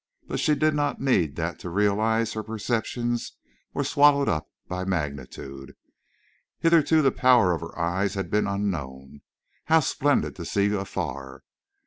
But she did not need that to realize her perceptions were swallowed up by magnitude. Hitherto the power of her eyes had been unknown. How splendid to see afar!